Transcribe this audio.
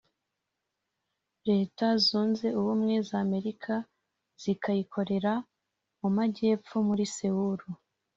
Leta zunze Ubumwe z’America zikayikorera mu majyepfo muri Seoul